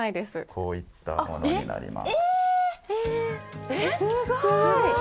こういったものになります。